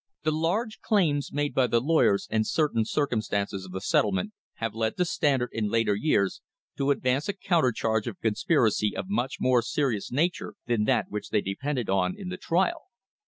The large claims made by the lawyers and certain circum stances of the settlement have led the Standard, in later years, to advance a counter charge of conspiracy of much more seri [ 106 ] THE BUFFALO CASE ous nature than that which they depended on in the trial.